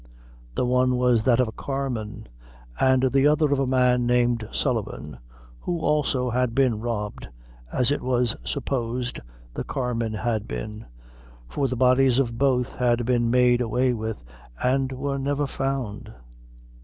The one was that of a carman, and the other of a man named Sullivan, who also had been robbed, as it was supposed the carman had been, for the bodies of both had been made way with and were never found.